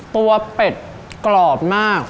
ตัวเป็ดกรอบมาก